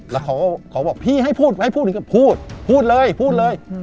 แล้วเขาก็บอกพี่ให้พูดให้พูดพูดพูดเลยพูดเลย